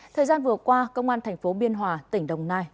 thời gian vừa qua công an thành phố biên hòa tỉnh đồng nai